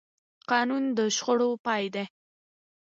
قانون د شخړو پای دی